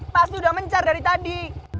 pasti udah mencar dari tadi